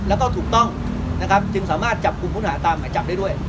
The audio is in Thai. แล้วก็ถูกต้องจึงสามารถจับคุณคุณหาตามหรือจับได้ด้วย